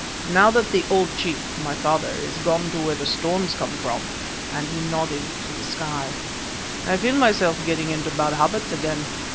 Now that the old chief (my father) is gone to where the storms come from," and he nodded to the sky, "I feel myself getting into bad habits again.